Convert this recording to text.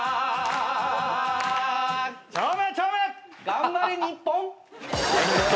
頑張れ日本。